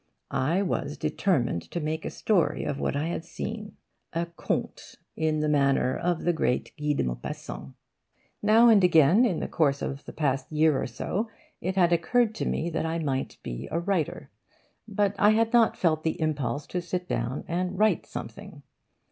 I was determined to make a story of what I had seen a conte in the manner of great Guy de Maupassant. Now and again, in the course of the past year or so, it had occurred to me that I might be a writer. But I had not felt the impulse to sit down and write something.